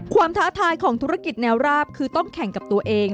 ท้าทายของธุรกิจแนวราบคือต้องแข่งกับตัวเอง